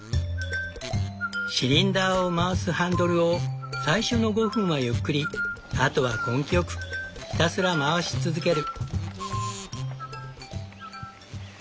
シリンダーを回すハンドルを最初の５分はゆっくりあとは根気よくひたすら回し続ける。